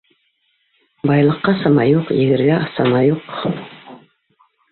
Байлыҡҡа сама юҡ, егергә сана юҡ.